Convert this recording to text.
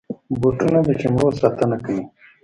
بوټونه د چمړو ساتنه کوي.